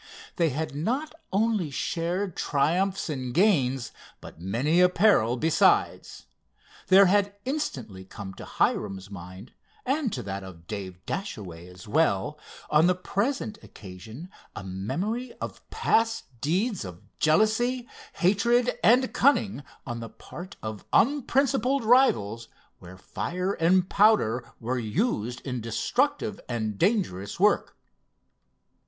They had not only shared triumphs and gains, but many a peril besides. There had instantly come to Hiram's mind, and to that of Dave Dashaway as well, on the present occasion a memory of past deeds of jealousy, hatred and cunning on the part of unprincipled rivals, where fire and powder were used in destructive and dangerous work.